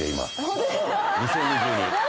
２０２２。